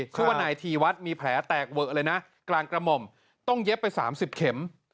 ชื่อว่านายธีวัฒน์มีแผลแตกเวอะเลยนะกลางกระหม่อมต้องเย็บไป๓๐เข็ม